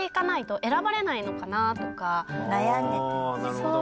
あなるほど。